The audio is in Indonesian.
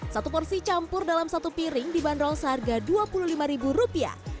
satu porsi campur dalam satu piring dibanderol seharga dua puluh lima rupiah